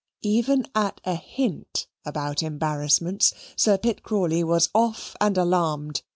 Even at a hint about embarrassments, Sir Pitt Crawley was off and alarmed.